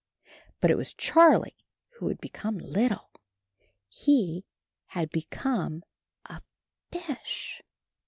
But it was Charlie who had become little; he had become a fish.